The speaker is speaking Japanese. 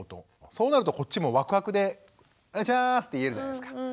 そうなるとこっちもワクワクでお願いしますって言えるじゃないですか。